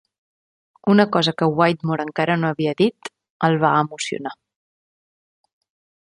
Una cosa que Whittemore encara no havia dit el va emocionar.